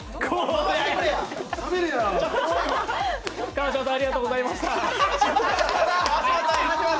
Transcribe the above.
川島さん、ありがとうございました。